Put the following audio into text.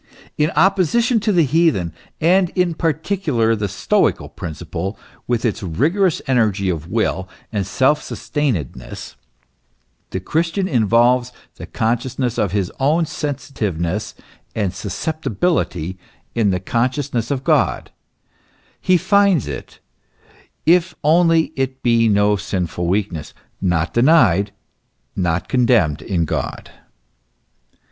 In opposition to the heathen, and in particular the stoical principle, with its rigorous energy of will and self sustainedness, the Christiaii involves the consciousness of his own sensitive ness and susceptibility in the consciousness of God; he finds it, if only it be no sinful weakness, not denied, not condemned in God.